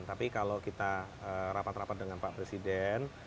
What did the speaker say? tapi kalau kita rapat rapat dengan pak presiden